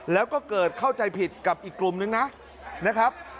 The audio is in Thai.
แล้วก็เกิดเข้าใจผิดกับอีกกลุ่มนึงนะครับ